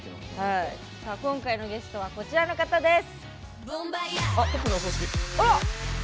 今回のゲストは、こちらの方です。